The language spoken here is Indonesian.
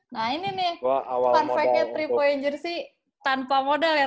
nah ini nih perfectnya tiga poin jersey tanpa modal ya